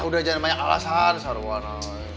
udah jangan banyak alasan seruan